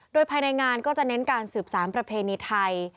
โดยภายในงานก็จะเน้นการสืบสารประเพณีไทย